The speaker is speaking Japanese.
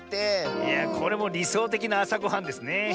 いやこれもりそうてきなあさごはんですね。